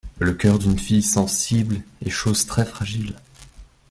Le cœur d'une fille sensible est chose très fragile.